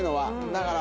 だから。